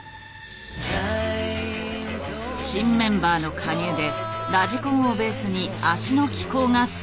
新メンバーの加入でラジコンをベースに脚の機構が進む。